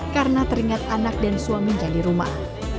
karena teringat anak dan suami yang di rumah